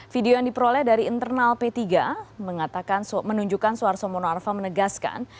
video yang diperoleh dari internal p tiga menunjukkan suharto monoarfa menegaskan